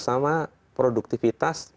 sama produktivitas dan